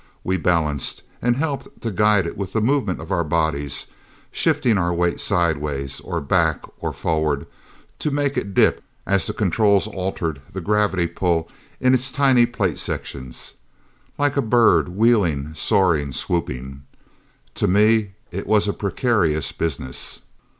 We balanced, and helped to guide it with the movement of our bodies shifting our weight sidewise, or back, or forward to make it dip as the controls altered the gravity pull in its tiny plate sections. Like a bird, wheeling, soaring, swooping. To me, it was a precarious business.